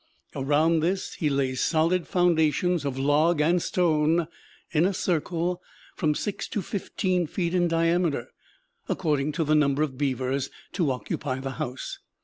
Around this he lays solid foundations of log and stone in a circle from six to fifteen feet in diameter, according to the number of beavers to occupy the house.